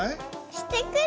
してくる。